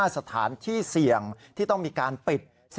สถานที่เสี่ยงที่ต้องมีการปิด